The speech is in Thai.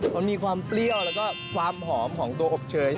มันมีความเปรี้ยวแล้วก็ความหอมของตัวอบเชย